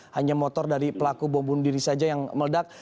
hanya motor dari pelaku bom bundiri saja yang meledak